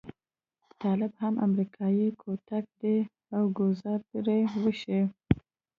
طالب هم امريکايي کوتک دی او ګوزار به پرې وشي.